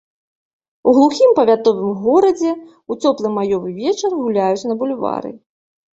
У глухім павятовым горадзе, у цёплы маёвы вечар, гуляюць на бульвары.